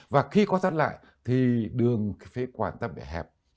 và khi co thắt lại thì đường phế quản ta bị hẹp